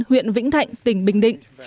huyện vĩnh thạnh tỉnh bình định